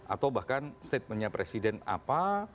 atau bahkan statementnya presiden apa